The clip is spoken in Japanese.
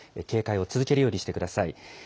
警戒を続けるようにしてください。